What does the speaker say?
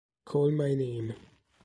Call My Name